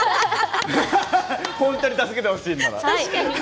本当に助けてほしいのなら。